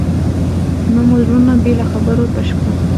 نه مو زړونه بې له خبرو تش کړل.